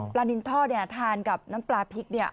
นินทอดเนี่ยทานกับน้ำปลาพริกเนี่ย